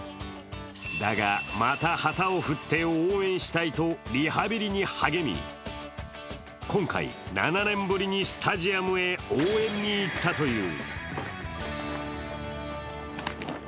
だが、また旗を振って応援したいとリハビリに励み、今回、７年ぶりにスタジアムへ応援に行ったという。